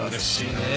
ねえ？